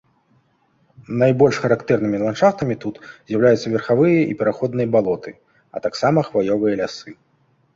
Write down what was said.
Найбольш характэрнымі ландшафтамі тут з'яўляюцца верхавыя і пераходныя балоты, а таксама хваёвыя лясы.